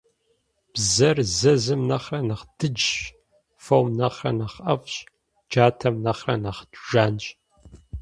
Бзэр зэзым нэхърэ нэхъ дыджщ, фом нэхърэ нэхъ IэфIщ, джатэм нэхърэ нэхъ жанщ.